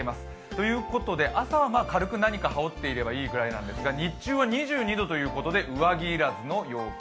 ということで、朝は軽く何か羽織っていればいいくらいなんですが、日中は２２度ということで上着要らずの陽気。